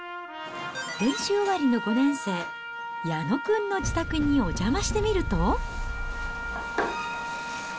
練習終わりの５年生、矢野君の自宅にお邪魔してみると。